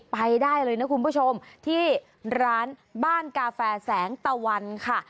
ไปได้เลยนะคุณผู้ชมที่ร้านบ้านกาแฟแสงตะวันค่ะ